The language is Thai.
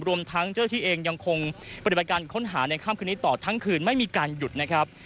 รวมทั้งเจ้าที่เองยังคงปฏิบัติการค้นหาในค่ำคืนนี้ต่อทั้งคืนไม่มีการหยุดนะครับ